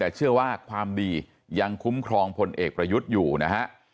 แต่เชื่อว่าความดียังคุ้มครองพลเอกประยุทธ์อยู่นะฮะ